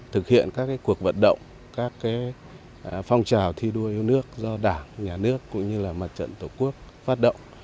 thực hiện các cuộc vận động các phong trào thi đua yêu nước do đảng nhà nước cũng như là mặt trận tổ quốc phát động